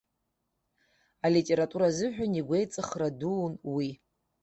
Алитература азыҳәан игәеиҵыхра дуун уи.